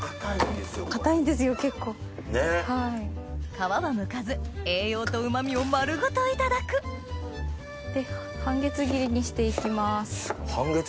皮はむかず栄養とうま味を丸ごといただくで半月切りにしていきます。